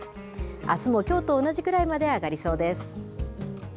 あすもきょうと同じくらいまで上がりそうです。